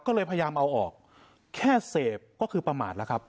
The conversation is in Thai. ก็เลยพยายามเอาออกแค่เสพก็คือประมาทแล้วครับ